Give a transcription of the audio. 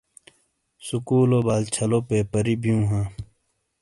سکولو بال چھالو پیپر ی بیو ہاں۔